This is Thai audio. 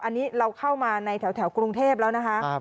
อันนี้เราเข้ามาในแถวกรุงเทพแล้วนะคะ